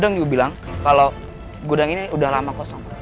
grung itu bilang kalau gudang ini udah lama kosong